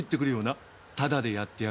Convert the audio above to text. タダでやってやるからさ。